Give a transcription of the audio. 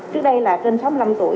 trước đây là trên sáu mươi năm tuổi